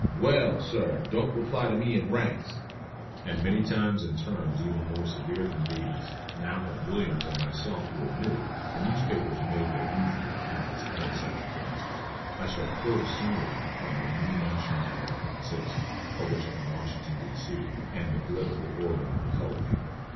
"Well, sir, don't reply to me in ranks." And many times and terms even more severe than these. Now that Williams and myself were admitted, the newspapers made their usual comments on such occurrences. I shall quote a single one from The New National Era and Citizen, published in Washington, D.C., and the political organ of the colored people.